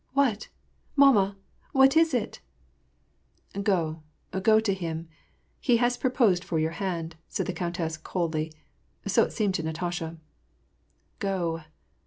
'' What ? Mamma ? What is it ?"" Go, go to him. He has proposed for your hand," said the countess coldly, so it seemed to Natasha. " Go